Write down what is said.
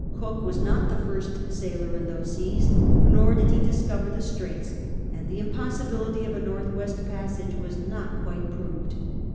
Cook was not the first sailor in those seas, nor di<l he discover the straits, and the impossibility of a north west jiassage was not quite proved.